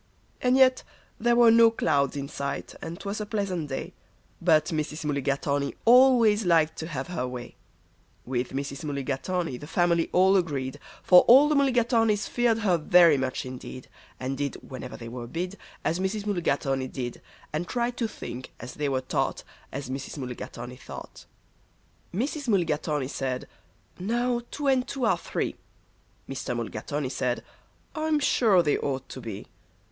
And yet there were no clouds in sight, and 'twas a pleasant day, But Mrs. Mulligatawny always liked to have her way. With Mrs. Mulligatawny the family all agreed, For all the Mulligatawnys feared her very much indeed, And did, whenever they were bid, As Mrs. Mulligatawny did, And tried to think, as they were taught, As Mrs. Mulligatawny thought. Mrs. Mulligatawny said, "Now two and two are three." Mr. Mulligatawny said, "I'm sure they ought to be."